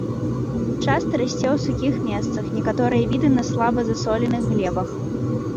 Часта расце ў сухіх месцах, некаторыя віды на слаба засоленых глебах.